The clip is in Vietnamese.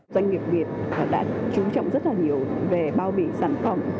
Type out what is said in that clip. doanh nghiệp việt đã chú trọng rất nhiều về bao bỉ sản phẩm